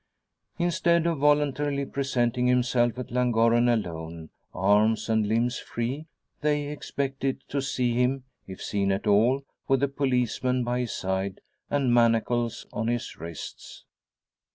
Instead of voluntarily presenting himself at Llangorren alone, arms and limbs free, they expected to see him if seen at all with a policeman by his side, and manacles on his wrists!